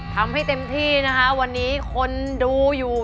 ทำให้เต็มที่นะคะวันนี้คนดูอยู่